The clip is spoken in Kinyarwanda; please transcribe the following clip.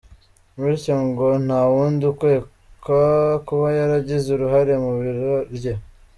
Bityo ngo, nta wundi ukekwa kuba yaragize urahare mu ibura rye.